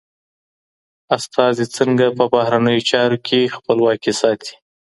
استازي څنګه په بهرنیو چارو کي خپلواکي ساتي؟